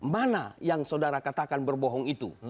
mana yang saudara katakan berbohong itu